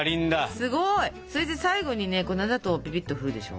すごい！それで最後にね粉砂糖をピピッとふるでしょ。